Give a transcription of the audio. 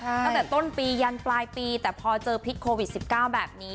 ตั้งแต่ต้นปียันปลายปีแต่พอเจอพิษโควิด๑๙แบบนี้